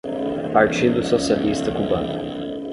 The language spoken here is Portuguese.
Partido Socialista cubano